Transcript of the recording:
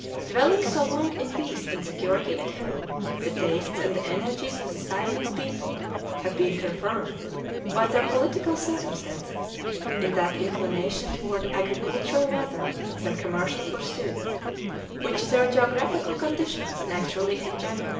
Dwelling so long in peace and security at home, the tastes and the energies of the Siamese people have been confirmed, by their political circumstances, in that inclination toward agricultural rather than commercial pursuits which their geographical conditions naturally engender.